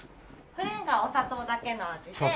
プレーンがお砂糖だけの味で。